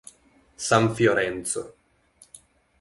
San Fiorenzo